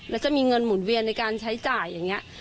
แล้วจะมีเงินหมุนเวียนในการใช้จ่ายอย่างนี้